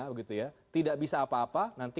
begitu ya tidak bisa apa apa nanti